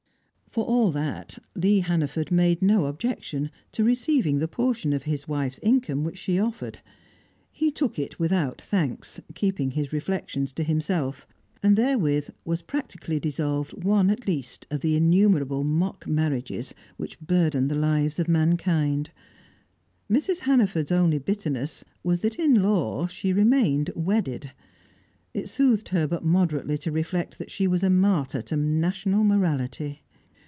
For all that, Lee Hannaford made no objection to receiving the portion of his wife's income which she offered. He took it without thanks, keeping his reflections to himself. And therewith was practically dissolved one, at least, of the innumerable mock marriages which burden the lives of mankind. Mrs. Hannaford's only bitterness was that in law she remained wedded. It soothed her but moderately to reflect that she was a martyr to national morality.